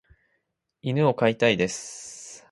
犬を飼いたいです。